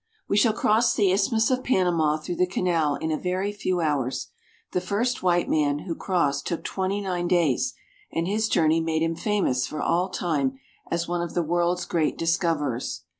WE shall cross the Isthmus of Panama through the canal in a very few hours. The first white man who crossed took twenty nine days, and his journey made him famous for all time as one of the world's great discoverers.